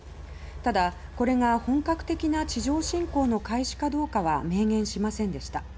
ただこれが本格的な地上侵攻の開始かどうかは明言しませんでした。